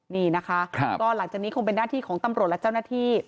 นี่นะคะก็หลังจากนี้คงเป็นหน้าที่ของตำรวจและเจ้าหน้าที่